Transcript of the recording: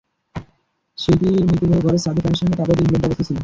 শিল্পীর মৃতদেহ ঘরের ছাদের ফ্যানের সঙ্গে কাপড় দিয়ে ঝুলন্ত অবস্থায় ছিল।